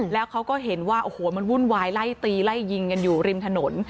แล้วเขาก็เห็นว่าโอ้โหมันวุ่นวายไล่ตีไล่ยิงกันอยู่ริมถนน